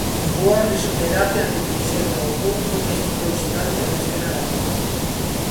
Boa risoterapia a que trouxeron ao Couto estes dous xigantes da escena galega.